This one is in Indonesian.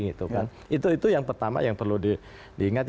itu yang pertama yang perlu diingat